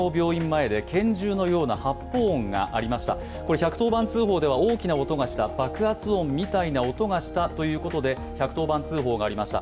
１１０番通報では大きな音がした爆発音みたいな音がしたということで１１０番通報がありました。